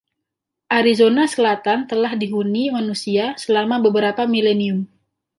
Arizona selatan telah dihuni manusia selama beberapa milenium.